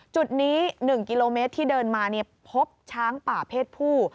จุดนี้๑กิโลเมตรที่เดินมาพบช้างป่าเพศผู้